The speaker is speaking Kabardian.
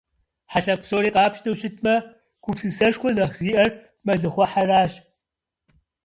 Хьэ лъэпкъ псори къапщтэу щытмэ, гупсысэшхуэ нэхъ зиӀэр мэлыхъуэхьэращ.